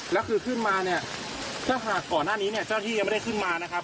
แล้วคือขึ้นมาเนี่ยถ้าหากก่อนหน้านี้เนี่ยเจ้าที่ยังไม่ได้ขึ้นมานะครับ